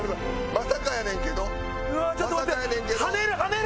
まさかやねんけど。